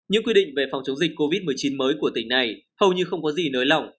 những quy định về phòng chống dịch covid một mươi chín mới của tỉnh này hầu như không có gì nới lỏng